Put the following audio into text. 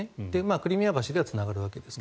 クリミア橋ではつながるわけですが。